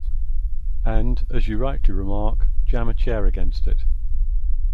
And, as you rightly remark, jam a chair against it.